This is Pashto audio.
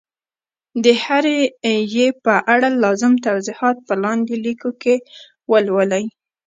د هري ي په اړه لازم توضیحات په لاندي لیکو کي ولولئ